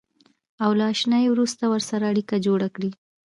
او له اشنایۍ وروسته ورسره اړیکه جوړه کړئ.